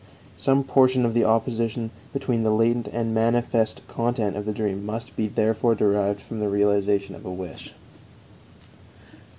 Some portion of the opposition between the latent and manifest content of the dream must be therefore derived from the realization of a wish.